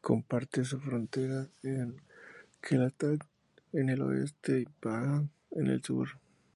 Comparte su frontera con Kelantan en el oeste y Pahang, en el sur.